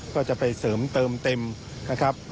ก็จะไปเสริมเติมเต็มนะครับ